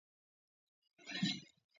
შესასვლელი დასავლეთ კედლის სამხრეთ ნაწილშია.